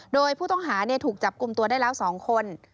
โดยผู้ต้องหาถูกจับกลุ่มตัวได้แล้ว๒คน